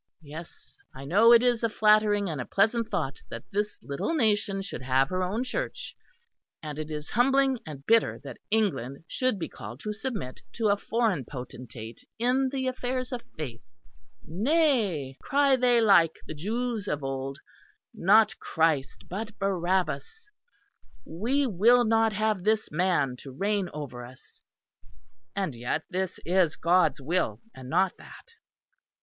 Yes, I know it is a flattering and a pleasant thought that this little nation should have her own Church; and it is humbling and bitter that England should be called to submit to a foreign potentate in the affairs of faith Nay, cry they like the Jews of old, not Christ but Barabbas we will not have this Man to reign over us. And yet this is God's will and not that.